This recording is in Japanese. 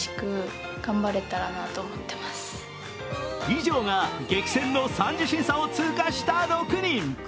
以上が激戦の３次審査を通過した６人。